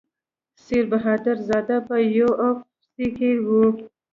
سیر بهادر زاده په یو اف سي کې و.